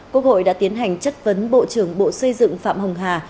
quốc hội đã tiến hành chất vấn bộ trưởng bộ xây dựng phạm hồng hà